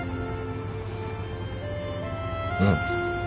うん。